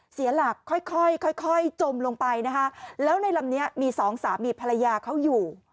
เสียหลักค่อยค่อยจมลงไปนะคะแล้วในลำนี้มีสองสามีภรรยาเขาอยู่